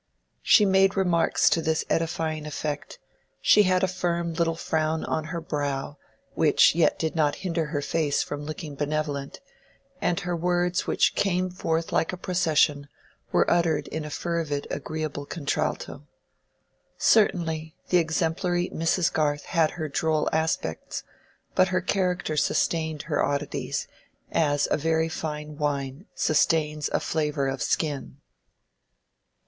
When she made remarks to this edifying effect, she had a firm little frown on her brow, which yet did not hinder her face from looking benevolent, and her words which came forth like a procession were uttered in a fervid agreeable contralto. Certainly, the exemplary Mrs. Garth had her droll aspects, but her character sustained her oddities, as a very fine wine sustains a flavor of skin.